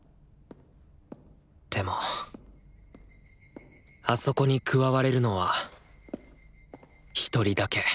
でもあそこに加われるのは「１人だけ」